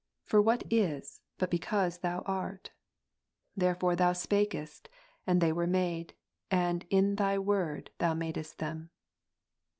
Jii^ii For what is, but because Thou art ? Therefore Thou spakest, 9, 6. ' and they ivere made, and in Thy Word Thou madest them.